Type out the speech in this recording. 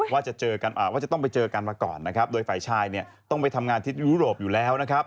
ว่าจะต้องไปเจอกันมาก่อนนะครับโดยฝ่ายชายเนี่ยต้องไปทำงานที่ยุโรปอยู่แล้วนะครับ